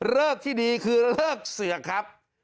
ที่ดีคือเลิกเสียกครับ